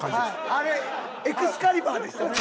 あれエクスカリバーでしたね。